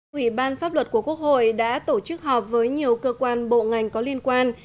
quỹ ban pháp luật của quốc hội đã tổ chức họp với nhiều cơ quan bộ ngành có liên quan